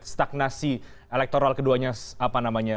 stagnasi elektoral keduanya